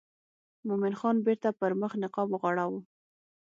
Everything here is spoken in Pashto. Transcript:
مومن خان بیرته پر مخ نقاب وغوړاوه.